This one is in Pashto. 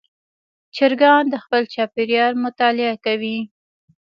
چرګان د خپل چاپېریال مطالعه کوي.